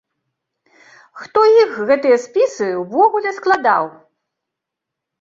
Хто іх, гэтыя спісы, ўвогуле складаў?